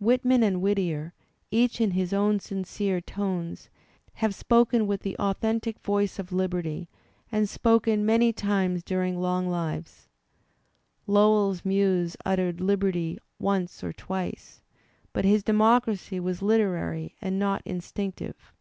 Whitman and Whittier, each in his own sincere tones, have spoken with the au thentic voice of liberty and spoken many times during long lives. Lowell's muse uttered liberty once or twice, but his democracy was literary and not instinctive.